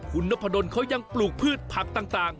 คุณนพดลเขายังปลูกพืชผักต่าง